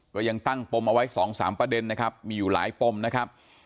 ก็ยังตั้งปมเอาไว้๒๓ประเด็นนะครับมีอยู่หลายปมนะครับ